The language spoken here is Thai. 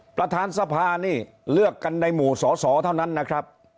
ประธานสภานี่เลือกกันในหมู่สอสอเท่านั้นนะครับ